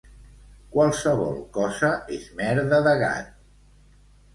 Qualsevol cosa és merda de gat.